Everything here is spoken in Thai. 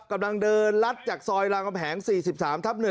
กำลังเดินลัดจากซอยรามกำแหง๔๓ทับ๑